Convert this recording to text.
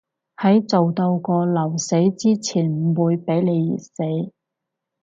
喺做到過勞死之前唔會畀你熱死